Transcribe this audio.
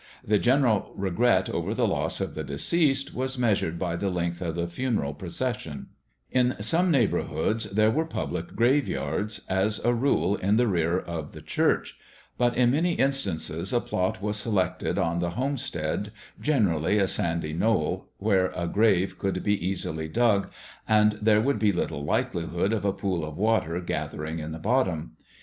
The general regret over the loss of the deceased was measured by the length of the funeral procession. [Illustration: THE PIONEER STORE] In some neighbourhoods there were public graveyards, as a rule in the rear of the church; but in many instances a plot was selected on the homestead, generally a sandy knoll, where a grave could be easily dug and there would be little likelihood of a pool of water gathering in the bottom.